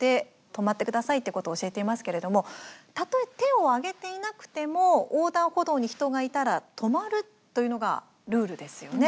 止まってくださいということを教えていますけれどもたとえ手を上げていなくても横断歩道に人がいたら止まるというのがルールですよね。